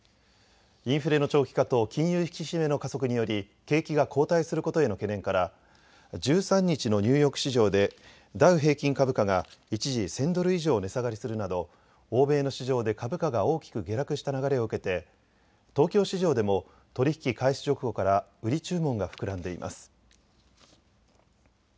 インフレの長期化と金融引き締めの加速により景気が後退することへの懸念から１３日のニューヨーク市場でダウ平均株価が一時、１０００ドル以上値下がりするなど欧米の市場で株価が大きく下落した流れを受けて東京市場でも取り引き開始直後から売り注文が膨らんでいます。